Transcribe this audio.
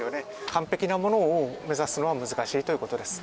完璧なものを目指すのは難しいということです。